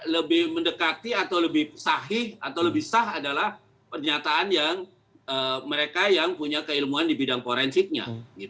lebih mendekati atau lebih sahih atau lebih sah adalah pernyataan yang mereka yang punya keilmuan di bidang forensiknya